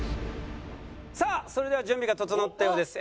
さあそれでは準備が整ったようです。